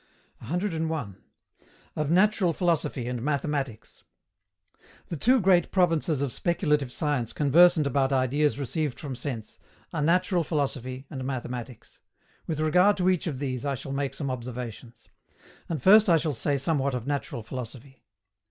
101. OF NATURAL PHILOSOPHY AND MATHEMATICS. The two great provinces of speculative science conversant about ideas received from sense, are Natural Philosophy and Mathematics; with regard to each of these I shall make some observations. And first I shall say somewhat of Natural Philosophy.